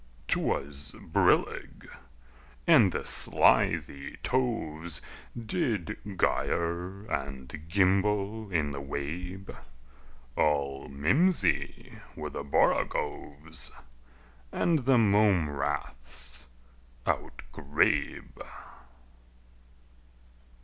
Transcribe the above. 'Twas brillig, and the slithy toves Did gyre and gimble in the wabe; All mimsy were the borogoves, And the mome raths outgrabe.